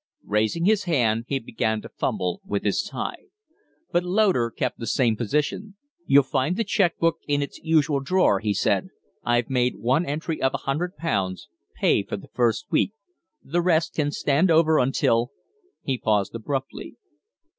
Raising his hand, he began to fumble with his tie. But Loder kept the same position. "You'll find the check book in its usual drawer," he said. "I've made one entry of a hundred pounds pay for the first week. The rest can stand over until " He paused abruptly.